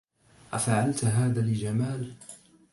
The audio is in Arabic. أفعلت هذا لجمال؟